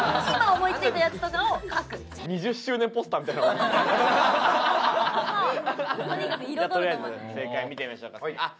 じゃあとりあえず正解見てみましょうか。